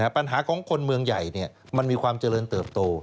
ปัญหาของคนเมืองใหญ่มันมีความเจริญเติบโต